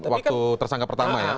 waktu tersangka pertama ya